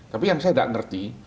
tapi yang saya tidak mengerti